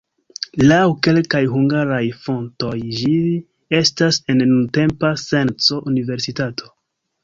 Laŭ kelkaj hungaraj fontoj ĝi estas en nuntempa senco universitato.